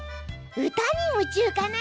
歌にむ中かな！